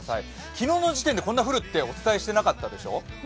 昨日の時点でこんなに降るってお伝えしてなかったでしょ？